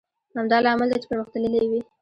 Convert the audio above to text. همدا لامل دی چې پرمختللی وي.